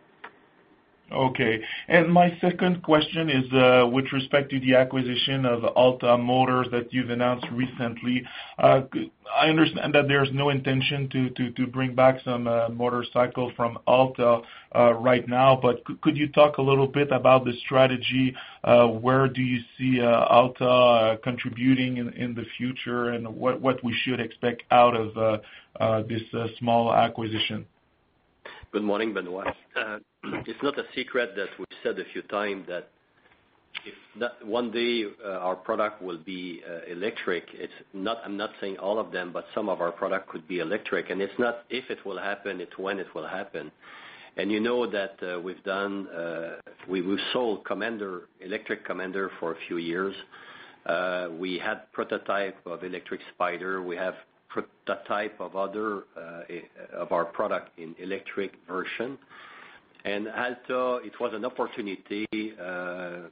S9: Okay. My second question is with respect to the acquisition of Alta Motors that you've announced recently. I understand that there's no intention to bring back some motorcycle from Alta right now, but could you talk a little bit about the strategy? Where do you see Alta contributing in the future, and what we should expect out of this small acquisition?
S3: Good morning, Benoit. It's not a secret that we've said a few times that if one day our product will be electric. I'm not saying all of them, but some of our product could be electric, and it's not if it will happen, it's when it will happen. You know that we've sold electric Commander for a few years. We had prototype of electric Spyder. We have prototype of our product in electric version. Alta, it was an opportunity. Alta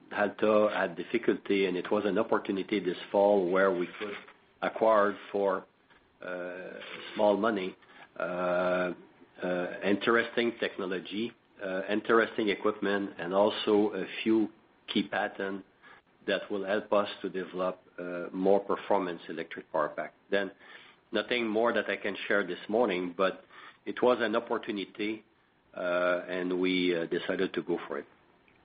S3: had difficulty, and it was an opportunity this fall where we could acquire for small money interesting technology, interesting equipment, and also a few key patents that will help us to develop more performance electric power back then. Nothing more that I can share this morning, but it was an opportunity, and we decided to go for it.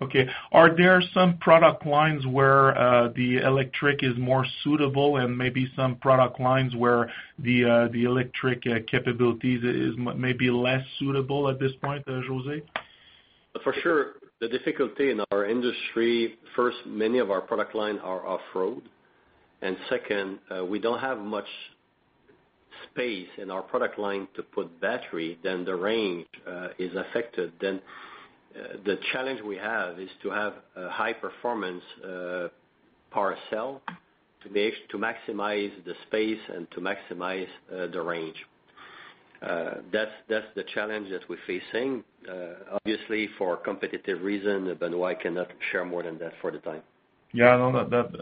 S9: Okay. Are there some product lines where the electric is more suitable and maybe some product lines where the electric capabilities is maybe less suitable at this point, José?
S3: For sure, the difficulty in our industry, first, many of our product line are off-road. Second, we don't have much space in our product line to put battery. The range is affected. The challenge we have is to have a high performance power cell to maximize the space and to maximize the range. That's the challenge that we're facing. Obviously, for competitive reason, Benoit cannot share more than that for the time.
S9: Yeah,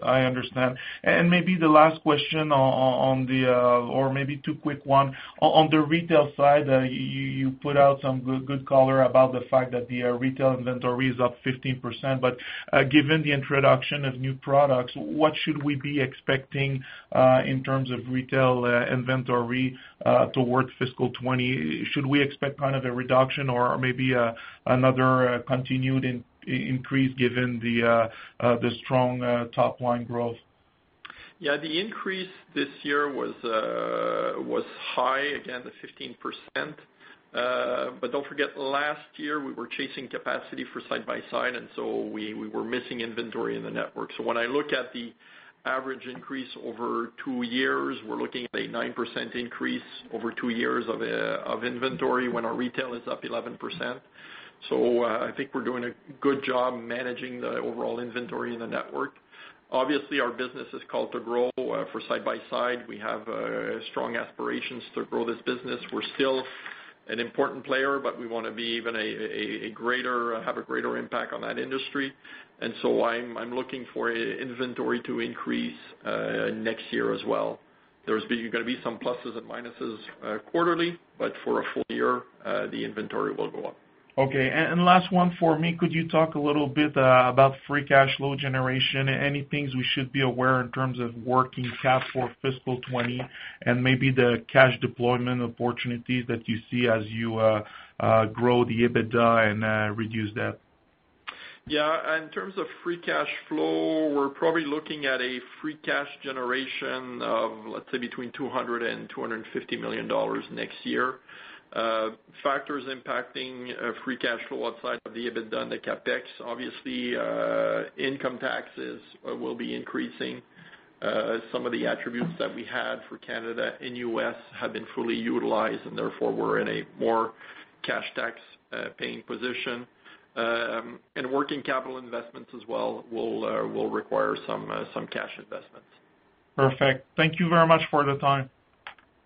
S9: I understand. Maybe the last question, or maybe two quick one. On the retail side, you put out some good color about the fact that the retail inventory is up 15%, but given the introduction of new products, what should we be expecting in terms of retail inventory towards fiscal 2020? Should we expect kind of a reduction or maybe another continued increase given the strong top-line growth?
S3: Yeah, the increase this year was high. Again, the 15%. Don't forget, last year, we were chasing capacity for side-by-side, and so we were missing inventory in the network. When I look at the average increase over two years, we're looking at a 9% increase over two years of inventory when our retail is up 11%.
S4: I think we're doing a good job managing the overall inventory in the network. Obviously, our business is called to grow for side-by-side. We have strong aspirations to grow this business. We're still an important player, but we want to have a greater impact on that industry. I'm looking for inventory to increase next year as well. There's going to be some pluses and minuses quarterly, but for a full year, the inventory will go up.
S9: Okay. Last one for me, could you talk a little bit about free cash flow generation? Any things we should be aware in terms of working cash for fiscal 2020 and maybe the cash deployment opportunities that you see as you grow the EBITDA and reduce debt?
S4: Yeah. In terms of free cash flow, we're probably looking at a free cash generation of, let's say, between 200 million dollars and 250 million dollars next year. Factors impacting free cash flow outside of the EBITDA and the CapEx, obviously, income taxes will be increasing. Some of the attributes that we had for Canada and U.S. have been fully utilized, and therefore, we're in a more cash tax paying position. Working capital investments as well will require some cash investments.
S9: Perfect. Thank you very much for the time.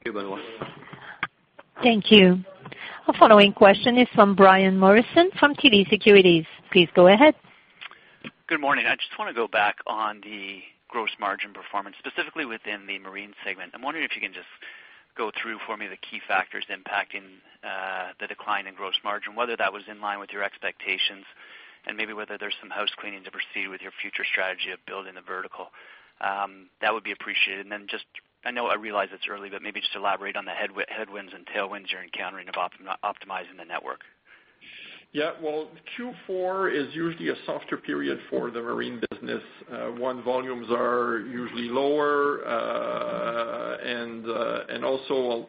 S3: Thank you, Benoit.
S1: Thank you. Our following question is from Brian Morrison from TD Securities. Please go ahead.
S10: Good morning. I just want to go back on the gross margin performance, specifically within the Marine Group segment. I'm wondering if you can just go through for me the key factors impacting the decline in gross margin, whether that was in line with your expectations, and maybe whether there's some house cleaning to proceed with your future strategy of building the vertical. That would be appreciated. I realize it's early, but maybe just elaborate on the headwinds and tailwinds you're encountering of optimizing the network.
S4: Q4 is usually a softer period for the marine business. One, volumes are usually lower, and also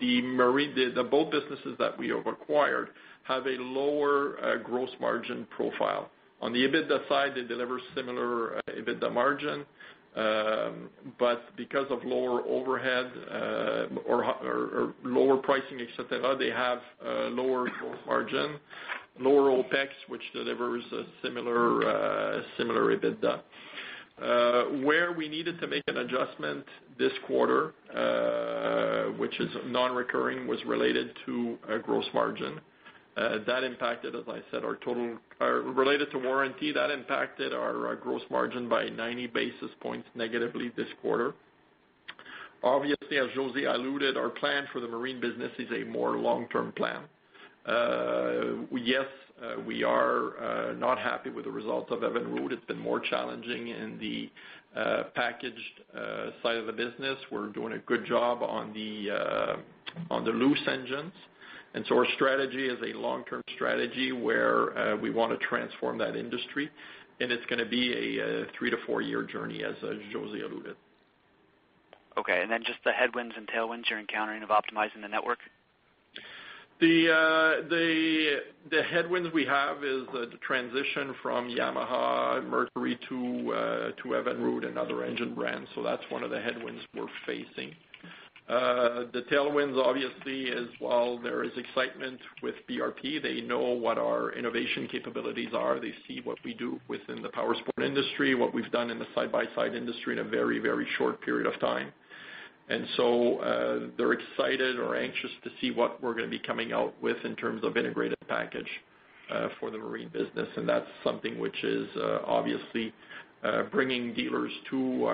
S4: the boat businesses that we acquired have a lower gross margin profile. On the EBITDA side, they deliver similar EBITDA margin. Because of lower overhead or lower pricing, et cetera, they have a lower gross margin, lower OpEx, which delivers a similar EBITDA. Where we needed to make an adjustment this quarter, which is non-recurring, was related to gross margin. Related to warranty, that impacted our gross margin by 90 basis points negatively this quarter. Obviously, as José alluded, our plan for the marine business is a more long-term plan. Yes, we are not happy with the results of Evinrude. It's been more challenging in the packaged side of the business. We're doing a good job on the loose engines. Our strategy is a long-term strategy where we want to transform that industry, and it's going to be a three to four-year journey, as José alluded.
S10: Just the headwinds and tailwinds you're encountering of optimizing the network?
S4: The headwinds we have is the transition from Yamaha and Mercury to Evinrude and other engine brands, that's one of the headwinds we're facing. The tailwinds obviously is while there is excitement with BRP, they know what our innovation capabilities are. They see what we do within the Powersports industry, what we've done in the side-by-side industry in a very short period of time. They're excited or anxious to see what we're going to be coming out with in terms of integrated package for the marine business, and that's something which is obviously bringing dealers to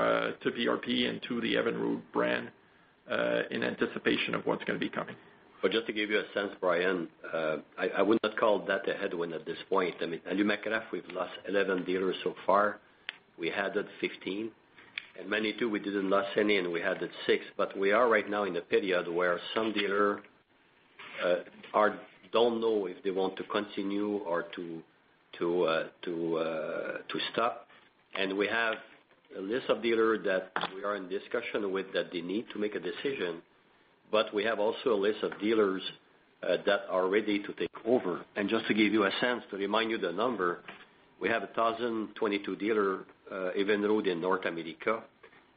S4: BRP and to the Evinrude brand in anticipation of what's going to be coming.
S3: Just to give you a sense, Brian, I would not call that a headwind at this point. I mean, Alumacraft, we've lost 11 dealers so far. We added 15. Manitou, we didn't lose any, and we added six. We are right now in the period where some dealer don't know if they want to continue or to stop. We have a list of dealers that we are in discussion with that they need to make a decision, we have also a list of dealers that are ready to take over. Just to give you a sense, to remind you the number, we have 1,022 dealer Evinrude in North America.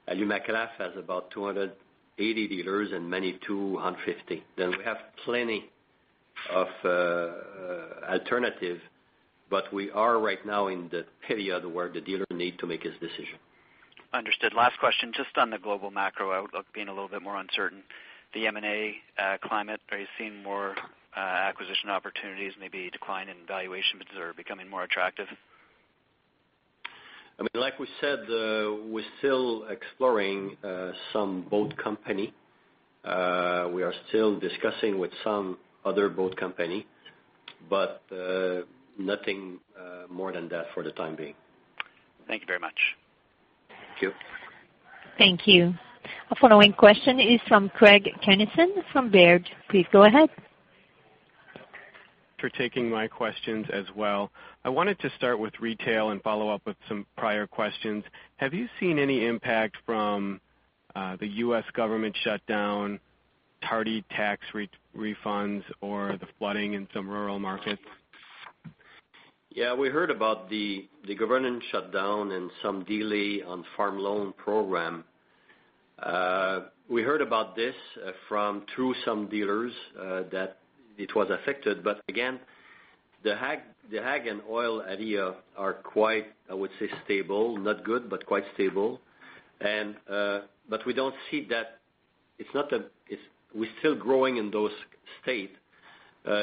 S3: Alumacraft has about 280 dealers and Manitou 150. We have plenty of alternative, we are right now in the period where the dealer need to make his decision.
S10: Understood. Last question, just on the global macro outlook being a little bit more uncertain. The M&A climate, are you seeing more acquisition opportunities, maybe decline in valuation bids that are becoming more attractive?
S3: I mean, like we said, we're still exploring some boat company. We are still discussing with some other boat company, nothing more than that for the time being.
S10: Thank you very much.
S3: Thank you.
S1: Thank you. Our following question is from Craig Kennison from Baird. Please go ahead.
S11: Thanks for taking my questions as well. I wanted to start with retail and follow up with some prior questions. Have you seen any impact from the U.S. government shutdown, tardy tax refunds or the flooding in some rural markets?
S3: Yeah, we heard about the government shutdown and some delay on farm loan program. We heard about this through some dealers that it was affected. Again, the ag and oil area are quite, I would say, stable, not good, but quite stable. We're still growing in those states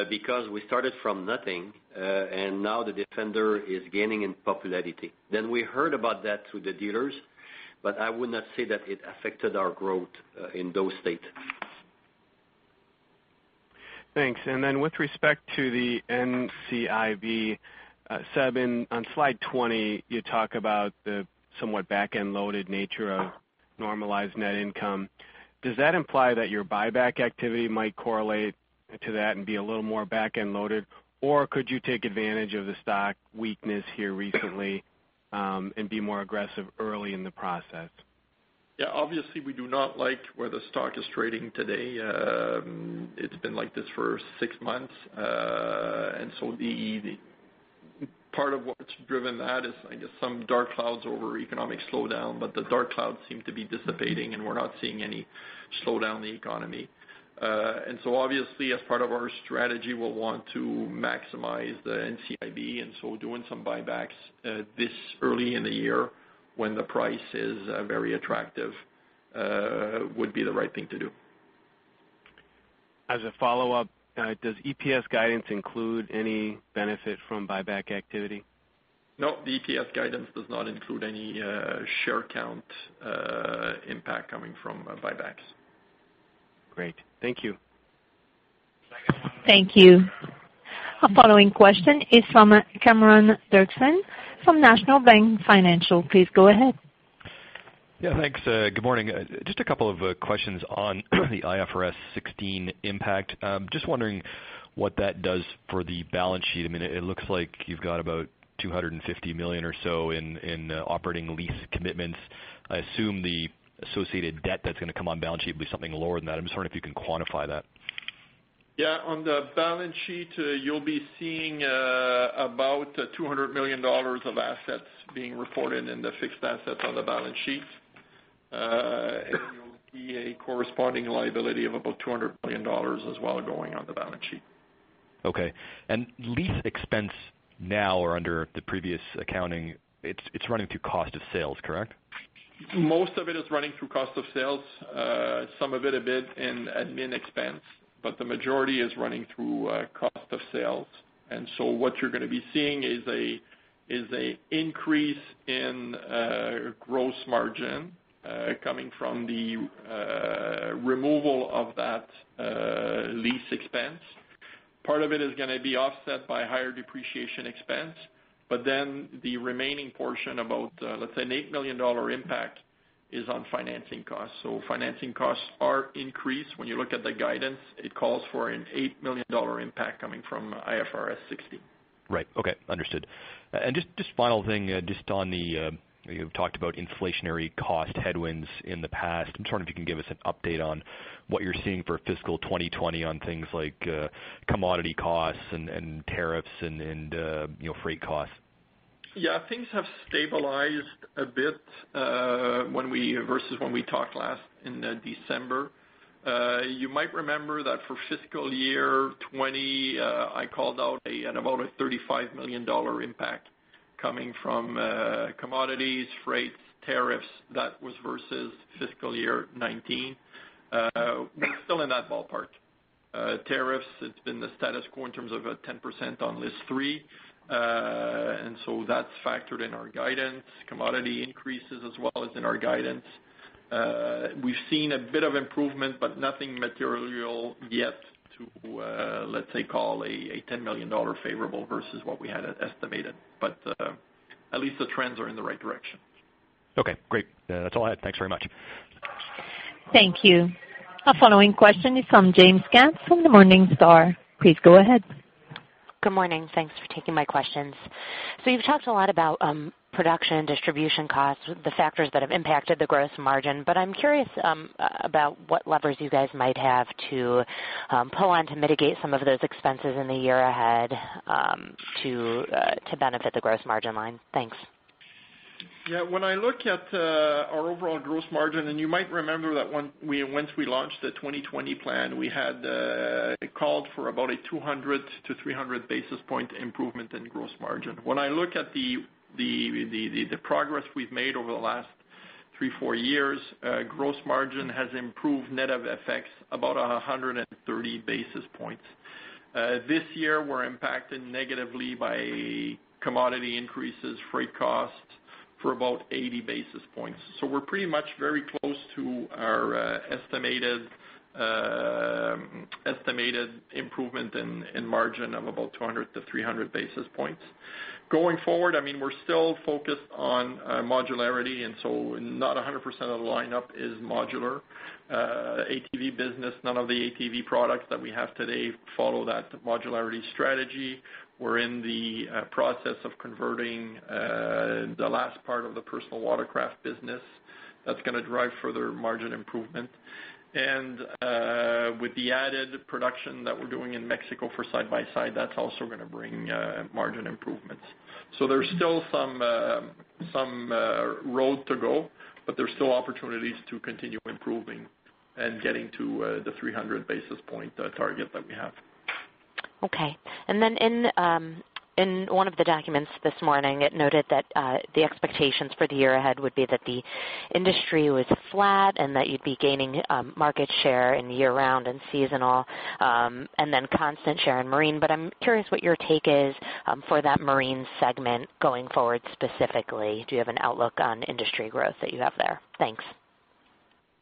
S3: because we started from nothing, and now the Defender is gaining in popularity. We heard about that through the dealers, but I would not say that it affected our growth in those states.
S11: Thanks. With respect to the NCIB, Seb, on slide 20, you talk about the somewhat back-end loaded nature of normalized net income. Does that imply that your buyback activity might correlate to that and be a little more back-end loaded? Could you take advantage of the stock weakness here recently, and be more aggressive early in the process?
S4: Yeah, obviously we do not like where the stock is trading today. It's been like this for six months. Part of what's driven that is, I guess some dark clouds over economic slowdown, but the dark clouds seem to be dissipating, and we're not seeing any slowdown in the economy. Obviously as part of our strategy, we'll want to maximize the NCIB, and so doing some buybacks this early in the year when the price is very attractive would be the right thing to do.
S11: As a follow-up, does EPS guidance include any benefit from buyback activity?
S4: No, the EPS guidance does not include any share count impact coming from buybacks.
S11: Great. Thank you.
S3: Thank you.
S1: Thank you. Our following question is from Cameron Doerksen from National Bank Financial. Please go ahead.
S12: Yeah, thanks. Good morning. Just a couple of questions on the IFRS 16 impact. Just wondering what that does for the balance sheet. It looks like you've got about 250 million or so in operating lease commitments. I assume the associated debt that's going to come on balance sheet will be something lower than that. I'm just wondering if you can quantify that.
S4: Yeah. On the balance sheet, you'll be seeing about 200 million dollars of assets being reported in the fixed assets on the balance sheet. You'll see a corresponding liability of about 200 million dollars as well going on the balance sheet.
S12: Okay. Lease expense now or under the previous accounting, it's running through cost of sales, correct?
S4: Most of it is running through cost of sales. Some of it a bit in admin expense, the majority is running through cost of sales. What you're going to be seeing is a increase in gross margin coming from the removal of that lease expense. Part of it is going to be offset by higher depreciation expense, the remaining portion about, let's say, a 8 million dollar impact is on financing costs. Financing costs are increased. When you look at the guidance, it calls for a 8 million dollar impact coming from IFRS 16.
S12: Right. Okay. Understood. Just final thing, you've talked about inflationary cost headwinds in the past. I'm just wondering if you can give us an update on what you're seeing for fiscal 2020 on things like commodity costs and tariffs and freight costs.
S4: Yeah. Things have stabilized a bit versus when we talked last in December. You might remember that for fiscal year 2020, I called out about a 35 million dollar impact coming from commodities, freights, tariffs. That was versus fiscal year 2019. We're still in that ballpark. Tariffs, it's been the status quo in terms of a 10% on List 3. So that's factored in our guidance. Commodity increases as well is in our guidance. We've seen a bit of improvement, but nothing material yet to, let's say, call a 10 million dollar favorable versus what we had estimated. At least the trends are in the right direction.
S12: Okay, great. That's all I had. Thanks very much.
S1: Thank you. Our following question is from Jaime Katz from Morningstar. Please go ahead.
S13: Good morning. Thanks for taking my questions. You've talked a lot about production and distribution costs, the factors that have impacted the gross margin. I'm curious about what levers you guys might have to pull on to mitigate some of those expenses in the year ahead to benefit the gross margin line. Thanks.
S4: Yeah. When I look at our overall gross margin, you might remember that once we launched the 2020 plan, it called for about a 200 to 300 basis point improvement in gross margin. When I look at the progress we've made over the last three, four years, gross margin has improved net of effects about 130 basis points. This year, we're impacted negatively by commodity increases, freight costs for about 80 basis points. We're pretty much very close to our estimated improvement in margin of about 200 to 300 basis points. Going forward, we're still focused on modularity. Not 100% of the lineup is modular. ATV business, none of the ATV products that we have today follow that modularity strategy. We're in the process of converting the last part of the personal watercraft business. That's going to drive further margin improvement. With the added production that we're doing in Mexico for side-by-side, that's also going to bring margin improvements. There's still some road to go, there's still opportunities to continue improving and getting to the 300 basis point target that we have.
S13: Okay. In one of the documents this morning, it noted that the expectations for the year ahead would be that the industry was flat that you'd be gaining market share in year-round and seasonal, constant share in marine. I'm curious what your take is for that marine segment going forward specifically. Do you have an outlook on industry growth that you have there? Thanks.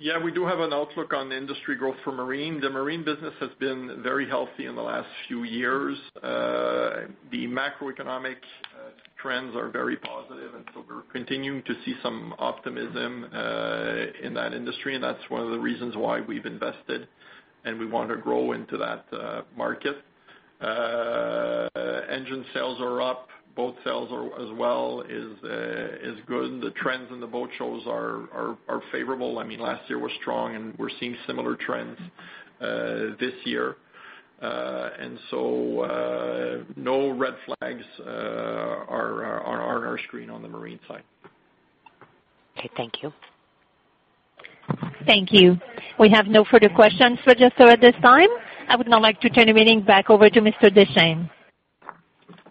S4: Yeah, we do have an outlook on industry growth for marine. The marine business has been very healthy in the last few years. The macroeconomic trends are very positive, so we're continuing to see some optimism in that industry, and that's one of the reasons why we've invested, and we want to grow into that market. Engine sales are up. Boat sales as well is good. The trends in the boat shows are favorable. Last year was strong, and we're seeing similar trends this year. No red flags are on our screen on the marine side.
S13: Okay, thank you.
S1: Thank you. We have no further questions for José at this time. I would now like to turn the meeting back over to Mr. Deschênes.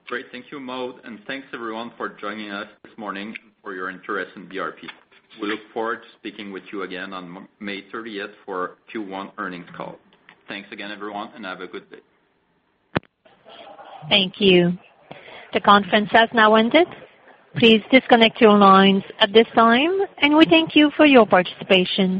S2: Great. Thank you, Maude, and thanks everyone for joining us this morning, for your interest in BRP. We look forward to speaking with you again on May 30th for Q1 earnings call. Thanks again, everyone, and have a good day.
S1: Thank you. The conference has now ended. Please disconnect your lines at this time, and we thank you for your participation.